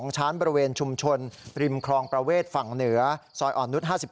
ชั้นบริเวณชุมชนริมคลองประเวทฝั่งเหนือซอยอ่อนนุษย์๕๗